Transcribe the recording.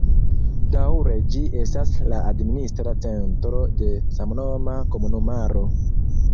Daŭre ĝi estas la administra centro de samnoma komunumaro.